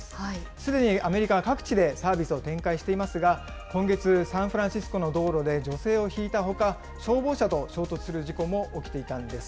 すでにアメリカ各地でサービスを展開していますが、今月、サンフランシスコの道路で女性をひいたほか、消防車と衝突する事故も起きていたんです。